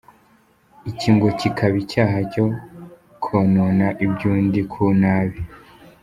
Iki ngo kikaba icyaha cyo konona iby’undi ku nabi.